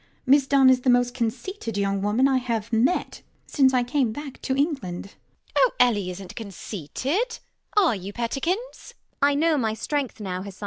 Miss Dunn is the most conceited young woman I have met since I came back to England. MRS HUSHABYE. Oh, Ellie isn't conceited. Are you, pettikins? ELLIE. I know my strength now, Hesione.